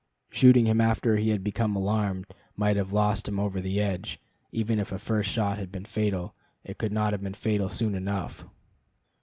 Shooting him after he had become alarmed might have lost him over the edge; even if a first shot had been fatal, it could not have been fatal soon enough.